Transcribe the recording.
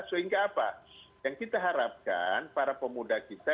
sehingga apa yang kita harapkan para pemuda kita